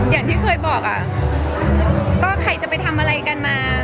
อย่างที่เคยบอกอ่ะก็ใครจะไปทำอะไรกันมา